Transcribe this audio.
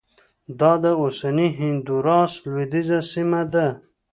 دا د اوسني هندوراس لوېدیځه سیمه ده